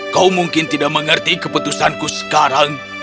kau mungkin tidak mengerti keputusanku sekarang